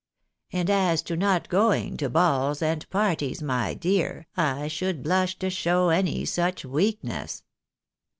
And as to not going to balls and parties, my dear, I should blush to show any such weakness."